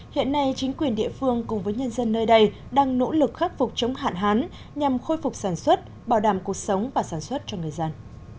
hiện nay chính quyền địa phương cùng với nhân dân nơi đây đang nỗ lực khắc phục chống hạn hán nhằm khôi phục sản xuất bảo đảm cuộc sống và sản xuất cho người dân